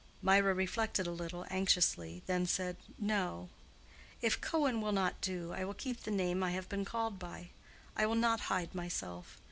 Mirah reflected a little, anxiously, then said, "No. If Cohen will not do, I will keep the name I have been called by. I will not hide myself.